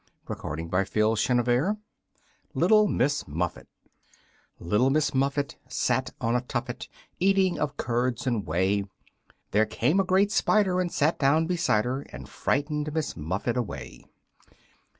[Illustration: Little Miss Muffet] Little Miss Muffet Little Miss Muffet Sat on a tuffet, Eating of curds and whey. There came a great spider And sat down beside her And frightened Miss Muffet away.